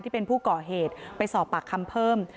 ที่เป็นผู้ก่อเหตุไปสอบปากคำเพิ่ม